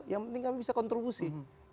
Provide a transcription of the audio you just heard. yang penting kami bisa kontribusi